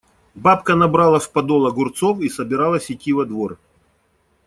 Бабка набрала в подол огурцов и собиралась идти во двор.